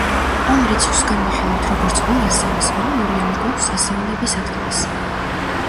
ამ რიცხვს განვიხილავთ, როგორც ორ ასეულს, ანუ ორიანი გვაქვს ასეულების ადგილას.